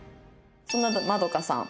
そんなまどかさん。